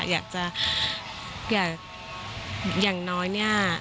อยากจะอย่างน้อยเนี่ย